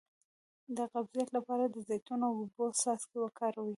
د قبضیت لپاره د زیتون او اوبو څاڅکي وکاروئ